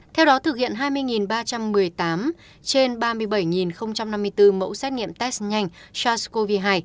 theo đó thực hiện hai mươi ba trăm một mươi tám trên ba mươi bảy năm mươi bốn mẫu xét nghiệm test nhanh sars cov hai